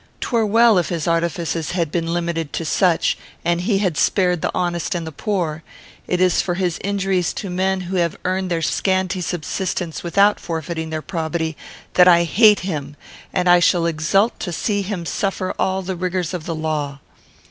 'Twere well if his artifices had been limited to such, and he had spared the honest and the poor. It is for his injuries to men who have earned their scanty subsistence without forfeiting their probity, that I hate him, and shall exult to see him suffer all the rigours of the law."